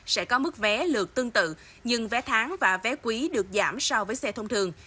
sẽ có mức vé lượt tương tự nhưng vé tháng và vé quý được giảm so với xe thông thường